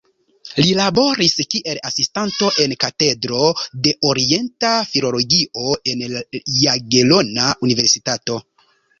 Li laboris kiel asistanto en Katedro de Orienta Filologio en Jagelona Universitato.